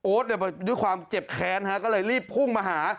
ด้วยความเจ็บแค้นฮะก็เลยรีบพุ่งมาหา